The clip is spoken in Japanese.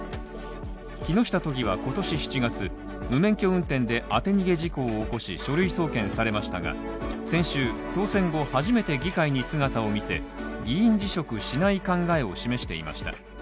木下都議は今年７月、無免許運転で当て逃げ事故を起こし書類送検されましたが、先週、当選後初めて議会に姿を見せ、議員辞職しない考えを示していました。